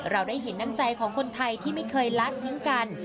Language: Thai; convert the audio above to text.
เราได้เห็นน้ำใจของคนไทยที่ไม่เคยละทิ้งกัน